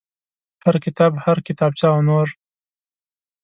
هر کتاب هر کتابچه او نور.